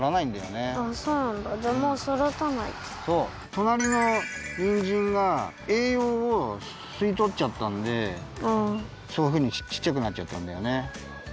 となりのにんじんがえいようをすいとっちゃったんでそういうふうにちっちゃくなっちゃったんだよね。